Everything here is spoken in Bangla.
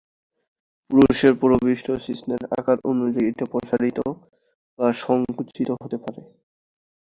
পুরুষের প্রবিষ্ট শিশ্নের আকার অনুযায়ী এটি প্রসারিত বা সঙ্কুচিত হতে পারে।